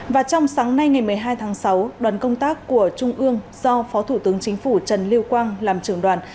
và trong sáng nay ngày một mươi hai tháng sáu đoàn công tác của trung ương do phó thủ tướng chính phủ trần lưu quang làm trưởng đoàn